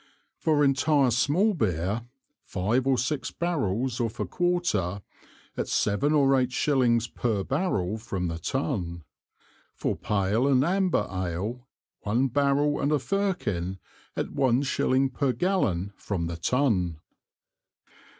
For Intire small Beer, five or six Barrels off a Quarter, at seven or eight Shillings per Barrel from the Tun. For Pale and Amber Ale, one Barrel and a Firkin, at one Shilling per Gallon from the Tun.